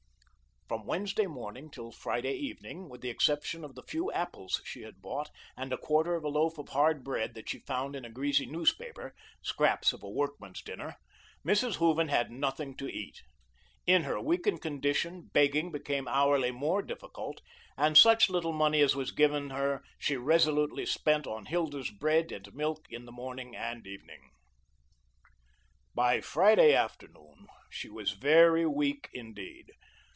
From Wednesday morning till Friday evening, with the exception of the few apples she had bought, and a quarter of a loaf of hard bread that she found in a greasy newspaper scraps of a workman's dinner Mrs. Hooven had nothing to eat. In her weakened condition, begging became hourly more difficult, and such little money as was given her, she resolutely spent on Hilda's bread and milk in the morning and evening. By Friday afternoon, she was very weak, indeed.